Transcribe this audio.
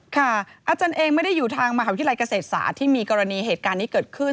อาจารย์เองไม่ได้อยู่ทางมหาวิทยาลัยเกษตรศาสตร์ที่มีกรณีเหตุการณ์นี้เกิดขึ้น